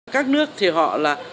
các nước thì họ là